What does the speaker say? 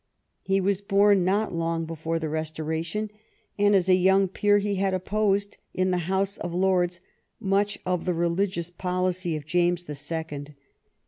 He was bom not long before the Restoration, and as a young peer he had opposed in the House of Lords much of the religious policy of James the Second.